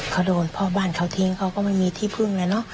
เขาโดนพ่อบ้านเขาทิ้งเขาก็ไม่มีที่พึ่งแล้วเนอะ